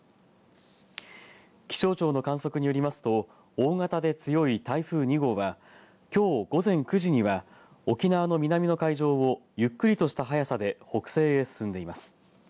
気象庁の観測によりますと大型で強い台風２号はきょう午前９時には沖縄の南の海上をゆっくりとした速さで北西へ進んでいます。